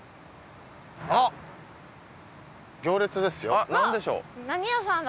あっ何でしょう？